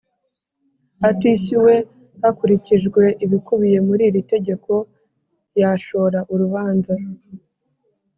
atishyuwe hakurikijwe ibikubiye muri iri tegeko yashora urubanza